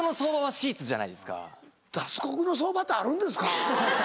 脱獄の相場ってあるんですか？